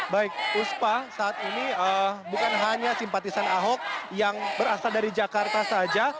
baik puspa saat ini bukan hanya simpatisan ahok yang berasal dari jakarta saja